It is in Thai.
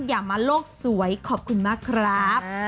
อย่ามาโลกสวยขอบคุณมากครับ